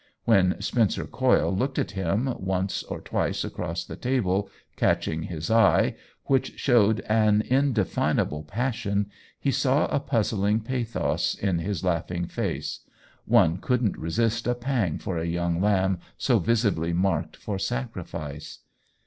When Spencer Coyle looked at him once or twice across the table, catching his eye, igS OWEN WINGRAVE which showed an indefinable passion, he saw a puzzling pathos in his laughing face ; one couldn't resist a pang for a young lamb so visibly marked for sacrifice.